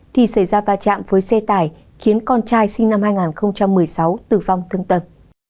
thì xảy ra va chạm với xe tải khiến con trai sinh năm hai nghìn một mươi sáu tử vong thương tâm